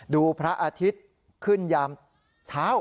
พระอาทิตย์ขึ้นยามเช้า